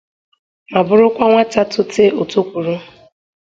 ma bụrụkwa nwata tote o tokwuru.